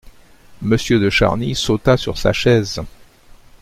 Monsieur de Charny sauta sur sa chaise.